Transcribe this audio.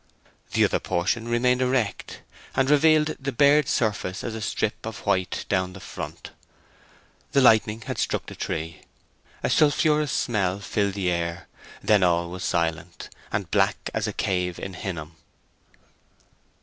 The other portion remained erect, and revealed the bared surface as a strip of white down the front. The lightning had struck the tree. A sulphurous smell filled the air; then all was silent, and black as a cave in Hinnom.